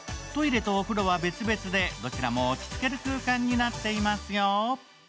トイレとお風呂は別々でどちらも落ち着ける空間になっていますよ。